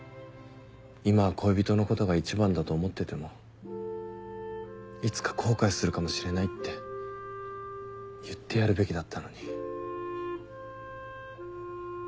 今は恋人のことが一番だと思っててもいつか後悔するかもしれないって言ってやるべきだったのに。